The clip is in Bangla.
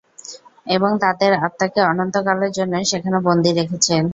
এবং, তাদের আত্মাকে অনন্তকালের জন্য সেখানে বন্দি রেখেছেন!